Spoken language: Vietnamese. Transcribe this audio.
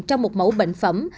trong một mẫu bệnh phẩm